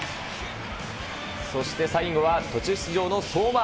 そして最後は、途中出場の相馬。